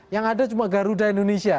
yang ada cuma garuda indonesia